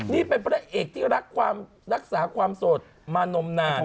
นี่เป็นพระเอกที่รักความรักษาความโสดมานมนาน